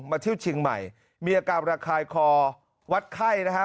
มาเที่ยวเชียงใหม่มีอาการระคายคอวัดไข้นะฮะ